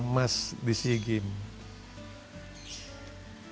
empat puluh dua mas di sea games